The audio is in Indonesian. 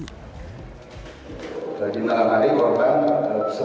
di malam hari korban segera kerja menemudian menaiki angkot